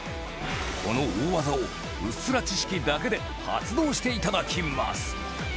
この大技をうっすら知識だけで発動して頂きます